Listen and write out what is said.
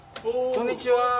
こんにちは。